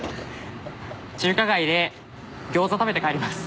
中華街でギョーザ食べて帰ります。